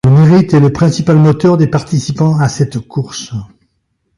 Le mérite est le principal moteur des participants à cette course.